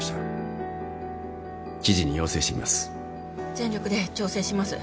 全力で調整します。